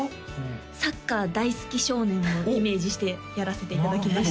サッカー大好き少年をイメージしてやらせていただきました